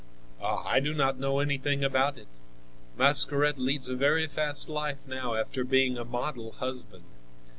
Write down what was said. "I do not know anything about it. Mascaret leads a very fast life now, after being a model husband.